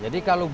jadi kalau beli